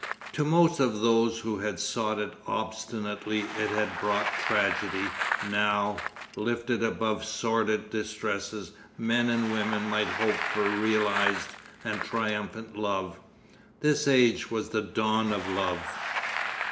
To most of those who had sought it obstinately it had brought tragedy. Now, lifted above sordid distresses, men and women might hope for realised and triumphant love. This age was the Dawn of Love....